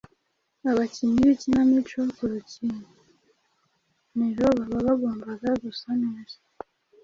Abakinnyi b’ikinamico ku rukiniro baba bagomba gusa neza